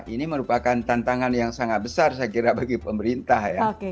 ini merupakan tantangan yang sangat besar saya kira bagi pemerintah ya